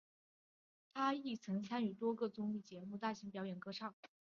他亦曾参与多个综艺节目及大型表演的歌唱演出。